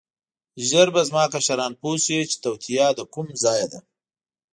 ژر به زما کشران پوه شي چې توطیه له کوم ځایه ده.